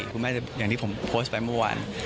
คุณแม่อย่างที่ผมโพสต์ไปเมื่อวาน